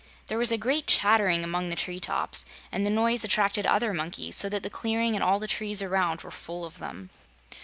There was a great chattering among the tree tops, and the noise attracted other monkeys, so that the clearing and all the trees around were full of them.